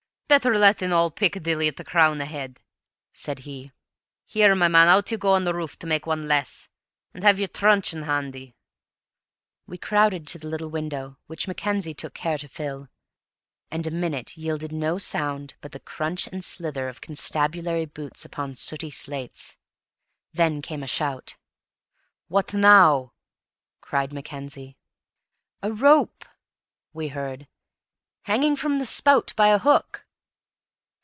"Better let in all Piccadilly at a crown a head," said he. "Here, my man, out you go on the roof to make one less, and have your truncheon handy." We crowded to the little window, which Mackenzie took care to fill; and a minute yielded no sound but the crunch and slither of constabulary boots upon sooty slates. Then came a shout. "What now?" cried Mackenzie. "A rope," we heard, "hanging from the spout by a hook!"